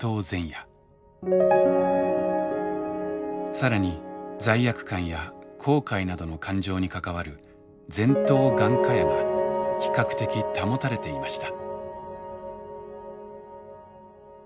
更に罪悪感や後悔などの感情に関わる前頭眼窩野が比較的保たれていました。